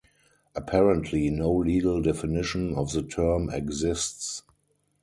Apparently, no legal definition of the term exists.